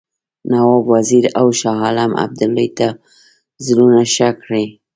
نواب وزیر او شاه عالم ابدالي ته زړونه ښه کړي.